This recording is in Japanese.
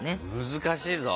難しいぞ。